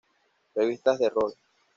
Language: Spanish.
Revistas de rol